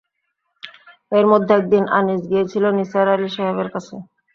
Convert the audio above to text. এর মধ্যে একদিন আনিস গিয়েছিল নিসার আলি সাহেবের কাছে।